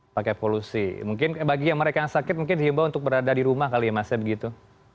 pakai polusi mungkin bagi yang mereka yang sakit mungkin dihimbau untuk berada di rumah kali ya mas ya begitu